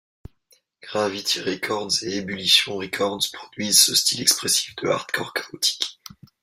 Gravity Records, et Ebullition Records produisent ce style expressif de hardcore chaotique.